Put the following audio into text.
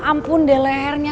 ampun deh lehernya